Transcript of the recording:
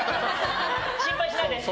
心配しないで！